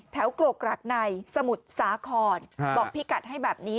แถวกรกกรากในสมุดสาคอนบอกพี่กัดให้แบบนี้